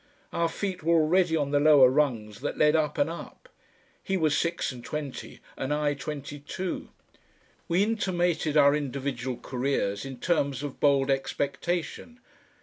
Our feet were already on the lower rungs that led up and up. He was six and twenty, and I twenty two. We intimated our individual careers in terms of bold expectation.